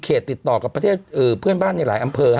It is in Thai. วันนี้ไม่ถึงร้อยของเราเราไม่ถึงหล้อย